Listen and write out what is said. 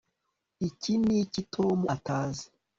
ni iki tom atazi